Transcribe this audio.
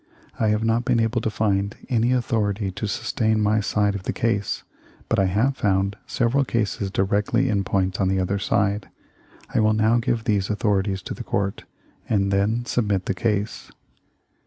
I have not been able to find any authority to sustain my side of the case, but I have found several cases directly in point on the other side. I will now give these authorities to the court, and then submit the case."